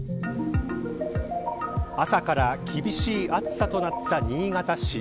朝から厳しい暑さとなった新潟市。